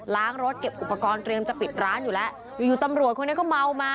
รถเก็บอุปกรณ์เตรียมจะปิดร้านอยู่แล้วอยู่อยู่ตำรวจคนนี้ก็เมามา